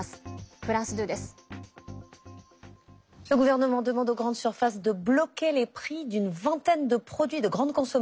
フランス２です。